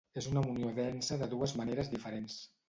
És una munió densa de dues maneres diferents.